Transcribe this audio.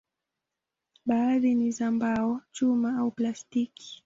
Baadhi ni za mbao, chuma au plastiki.